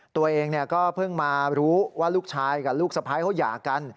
ตัวเองก็เพิ่งมารู้ว่าลูกชายกับลูกสะพ้ายเขาหย่ากัน